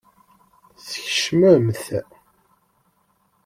Tkecmemt.